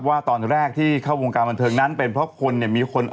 ว่าตอนแรกที่เข้าวงการบันเทิงนั้นเป็นเพราะคนเนี่ยมีคน